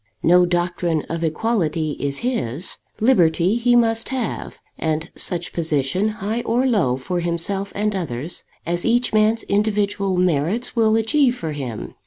No doctrine of equality is his. Liberty he must have, and such position, high or low, for himself and others, as each man's individual merits will achieve for him.